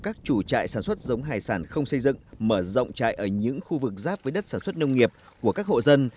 các chủ trại sản xuất giống hải sản không xây dựng mở rộng trại ở những khu vực giáp với đất sản xuất nông nghiệp của các hộ dân